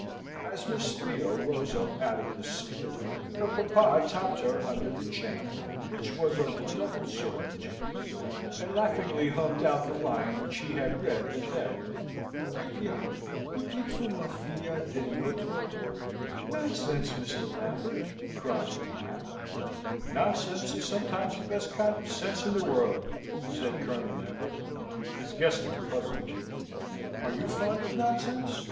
As Miss Theo rose up out of this salute, her papa tapped her under the chin (which was of the double sort of chins), and laughingly hummed out the line which he had read the day. "Eh bien! que dites vous, ma fille, de notre hote?" "Nonsense, Mr. Lambert!" cries mamma. "Nonsense is sometimes the best kind of sense in the world," said Colonel Lambert. His guest looked puzzled. "Are you fond of nonsense?"